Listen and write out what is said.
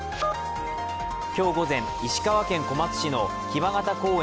今日午前、石川県小松市の木場潟公園